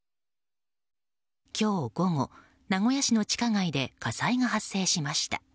今日午後、名古屋市の地下街で火災が発生しました。